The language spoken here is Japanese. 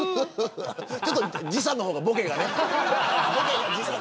ちょっと時差の方がぼけがね。